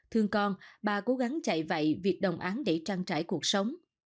thương con bà cố gắng chạy vậy việc đồng án để trang trải cuộc sống